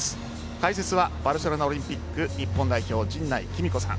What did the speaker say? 解説はバルセロナオリンピック日本代表陣内貴美子さん。